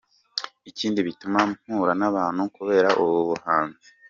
Ikindi bituma mpura n’abantu kubera ubu buhanzi.